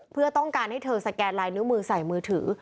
เพื่อต้องการให้เธอสแกนลายนิ้วมือใส่มือถือ